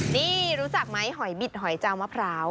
นี่รู้จักไหมหอยบิดหอยเจ้ามะพร้าว